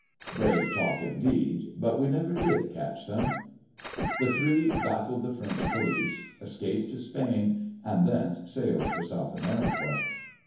Brave talk, indeed : but we never did catch them. The three baffled the French police, escaped to Spain, and'thence sailed foi* South America.